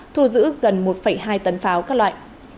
thu giữ gần một hai tấn pháo các loại